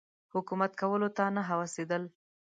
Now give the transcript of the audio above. حکومت کولو ته نه هوسېدل.